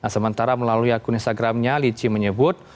sementara melalui akun instagramnya lici menyebut